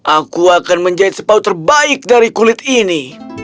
aku akan menjahit sepau terbaik dari kulit ini